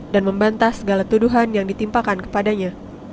dan membantah segala tuduhan yang ditimpakan kepadanya